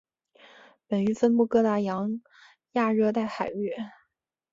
本鱼分布各大洋亚热带海域。